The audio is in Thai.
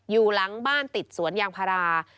อยู่หลังบ้านติดสวนยางพารา